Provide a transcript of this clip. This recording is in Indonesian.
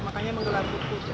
makanya menggelar buku